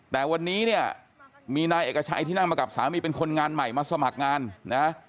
แต่วันนี้เนี่ยมีนายเอกชัยที่นั่งมากับสามีเป็นคนงานใหม่มาสมัครงานนะ